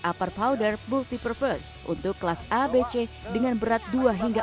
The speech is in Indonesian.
upper powder multi purpose untuk kelas abc dengan berat dua hingga empat